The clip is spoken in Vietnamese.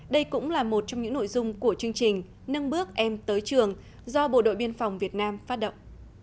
đây cũng là một trong những nội dung của chương trình nâng bước em tới trường do bộ đội biên phòng việt nam phát động